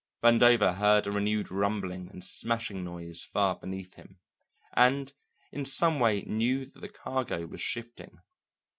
Vandover heard a renewed rumbling and smashing noise far beneath him, and in some way knew that the cargo was shifting.